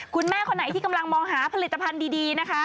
คุณแม่คนไหนที่กำลังมองหาผลิตภัณฑ์ดีนะคะ